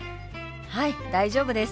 はい大丈夫です。